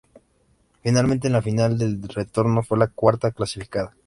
Finalmente, en la final de El retorno, fue la cuarta clasificada.